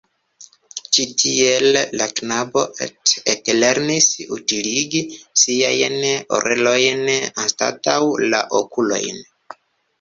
Ĉi tiel la knabo et-ete lernis utiligi siajn orelojn anstataŭ la okulojn.